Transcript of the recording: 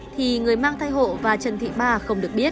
thì người mang thai hộ và trần thị ba không được biết